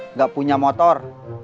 nggak punya motor